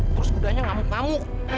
terus kudanya ngamuk ngamuk